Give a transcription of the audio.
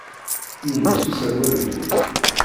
Yumes userwal-ik.